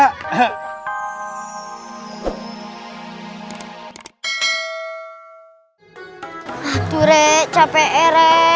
aduh re capek ya re